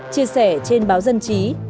chia sẻ trên báo dân chí